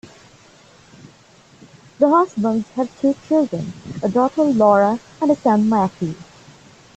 The Husbands have two children, a daughter Laura and a son Matthew.